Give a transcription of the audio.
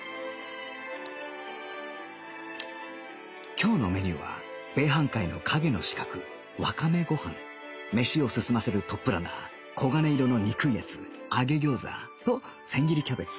今日のメニューは米飯界の陰の刺客わかめご飯飯を進ませるトップランナー黄金色の憎いやつ揚げ餃子と千切りキャベツ